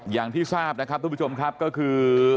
อย่างที่ทราบนะครับทุกผู้ชมครับก็คือ